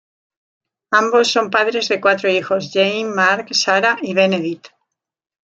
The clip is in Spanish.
Ambos son padres de cuatro hijos; Jane, Mark, Sarah y Benedict.